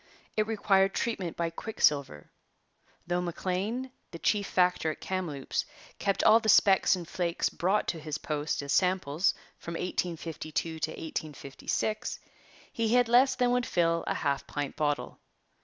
It required treatment by quicksilver. Though Maclean, the chief factor at Kamloops, kept all the specks and flakes brought to his post as samples from 1852 to 1856, he had less than would fill a half pint bottle.